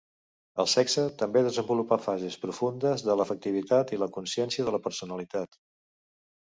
El sexe també desenvolupa fases profundes de l'afectivitat i la consciència de la personalitat.